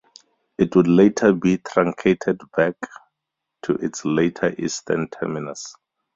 It would later be truncated back to its later eastern terminus.